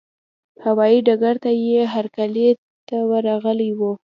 هوايي ډګر ته یې هرکلي ته ورغلي وو.